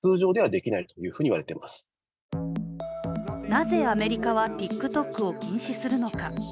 なぜアメリカはＴｉｋＴｏｋを禁止するのか。